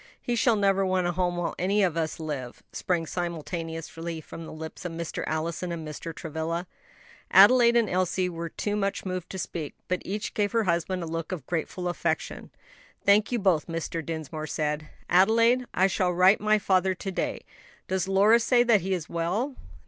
"He shall never want a home, while any of us live!" sprang simultaneously from the lips of Mr. Allison and Mr. Travilla. Adelaide and Elsie were too much moved to speak, but each gave her husband a look of grateful affection. "Thank you both," Mr. Dinsmore said. "Adelaide, I shall write my father to day. Does Lora say that he is well?"